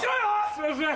すいません。